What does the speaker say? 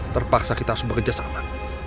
terpaksa kita harus bekerja sama